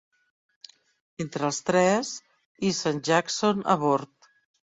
Entre els tres hissen Jackson a bord.